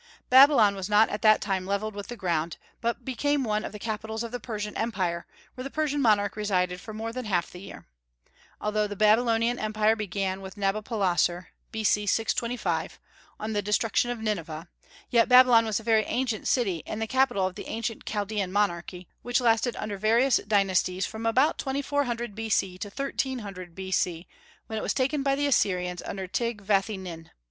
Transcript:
Babylon was not at that time levelled with the ground, but became one of the capitals of the Persian Empire, where the Persian monarch resided for more than half the year. Although the Babylonian Empire began with Nabopolassar, B.C. 625, on the destruction of Nineveh, yet Babylon was a very ancient city and the capital of the ancient Chaldaean monarchy, which lasted under various dynasties from about 2400 B.C. to 1300 B.C., when it was taken by the Assyrians under Tig Vathi Nin.